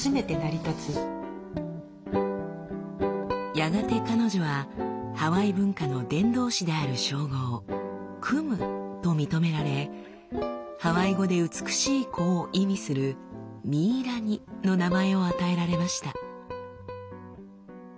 やがて彼女はハワイ文化の伝道師である称号「クム」と認められハワイ語で「美しい子」を意味する「ミイラニ」の名前を与えられました。